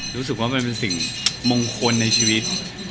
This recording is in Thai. รู้สึกว่ามันเป็นสิ่งมงคลในชีวิต